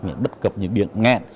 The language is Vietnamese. những đất cập những biện ngạn